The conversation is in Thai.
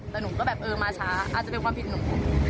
แต่หนูก็แบบเออมาช้าอาจจะเป็นความผิดหนู